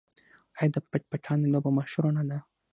آیا د پټ پټانې لوبه مشهوره نه ده؟